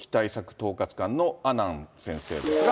統括官の阿南先生ですが。